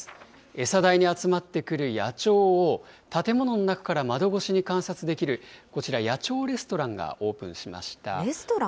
餌台に集まってくる野鳥を、建物の中から窓越しに観察できる、こちら、野鳥レストランがオープレストラン？